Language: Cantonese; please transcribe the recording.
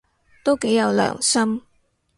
都幾有良心